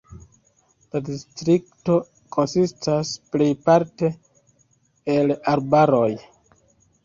La distrikto konsistas plejparte el arbaroj.